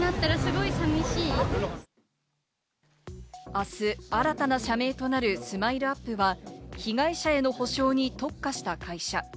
あす、新たな社名となるＳＭＩＬＥ‐ＵＰ．は被害者への補償に特化した会社。